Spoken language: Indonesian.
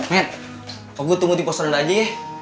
men aku tunggu di posen aja ya